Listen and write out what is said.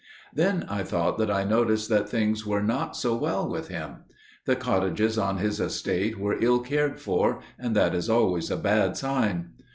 "Then I thought that I noticed that things were not so well with him. The cottages on his estate were ill cared for, and that is always a bad sign.